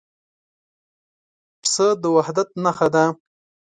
پسه د وحدت نښه ده.